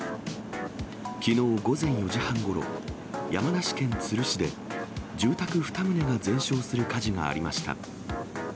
きのう午前４時半ごろ、山梨県都留市で、住宅２棟が全焼する火事がありました。